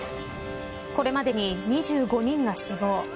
これまでに２５人が死亡。